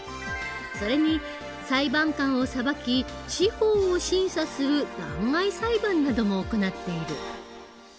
それに裁判官を裁き司法を審査する弾劾裁判なども行っている。